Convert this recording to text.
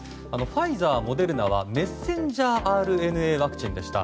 ファイザー、モデルナはメッセンジャーＲＮＡワクチンでした。